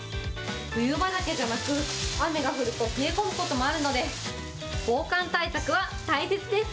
冬場だけじゃなく、雨が降ると冷え込むこともあるので、防寒対策は大切です。